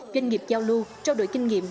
doanh nghiệp giao lưu trao đổi kinh nghiệm